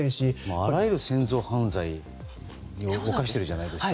あらゆる戦争犯罪を冒しているじゃないですか。